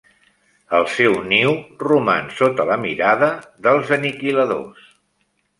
El seu niu roman sota la mirada dels Aniquiladors.